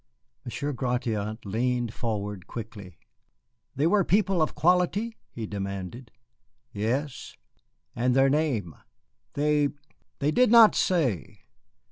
Monsieur Gratiot leaned forward quickly. "They were people of quality?" he demanded. "Yes." "And their name?" "They they did not say."